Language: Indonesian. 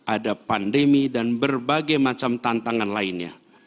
ada pandemi dan berbagai macam tantangan lainnya